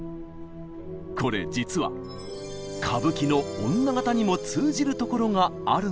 これ実は歌舞伎の女形にも通じるところがあるんだそうです。